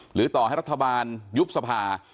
หรือต่อให้รัฐบาลยุบสภา